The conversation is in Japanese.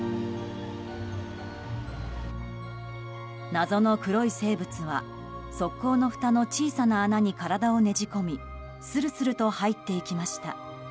謎の黒い生物は、側溝のふたの小さな穴に体をねじ込みスルスルと入っていきました。